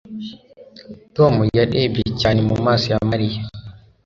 Tom yarebye cyane mu maso ya Mariya